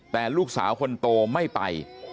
แต่ลูกสาวคนโตไม่ไป